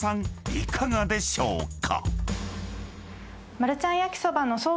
いかがでしょうか？］